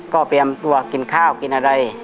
ก็เตรียมตัวกินข้าวกินอะไร